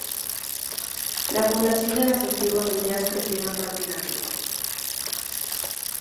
La población de las antiguas aldeas crecieron rápidamente.